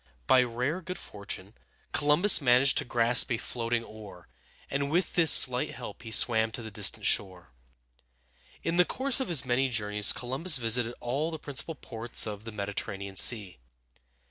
By rare good fortune, Columbus managed to grasp a floating oar, and with this slight help he swam to the distant shore. In the course of his many journeys Columbus visited all the principal ports of the Mediterranean Sea.